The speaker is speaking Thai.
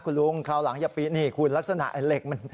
คุณลุงคราวหลังอย่าปีนนี่คุณลักษณะไอ้เหล็กมัน